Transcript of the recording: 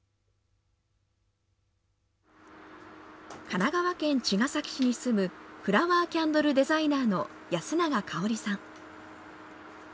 神奈川県茅ヶ崎市に住むフラワーキャンドルデザイナーの安永かおりさん。